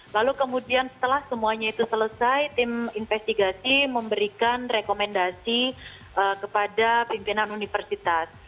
lalu kemudian setelah semuanya itu selesai tim investigasi memberikan rekomendasi kepada pimpinan universitas